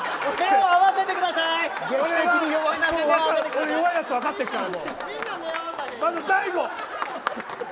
俺、弱いやつ分かってるから。